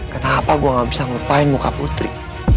kenapa gue gak bisa ngupain muka putri